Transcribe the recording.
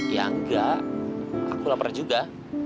ya enggak aku lapar juga